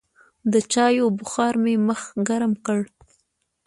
د چايو بخار مې مخ ګرم کړ.